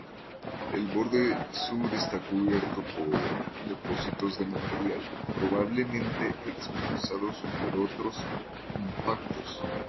El borde sur está cubierto por depósitos de material, probablemente expulsados por otros impactos.